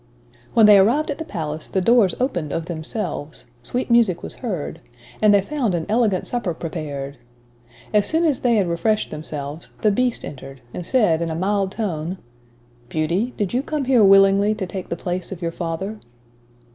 When they arrived at the palace, the doors opened of themselves, sweet music was heard, and they found an elegant supper prepared. As soon as they had refreshed themselves, the Beast entered, and said in a mild tone, "Beauty, did you come here willingly to take the place of your father?"